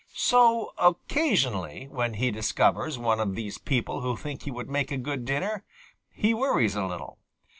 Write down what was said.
So occasionally, when he discovers one of these people who think he would make a good dinner, he worries a little.